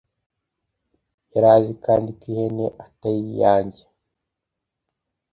“Yari azi kandi ko ihene atari iyanjye